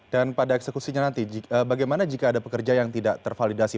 dan pada eksekusinya nanti bagaimana jika ada pekerja yang tidak tervalidasi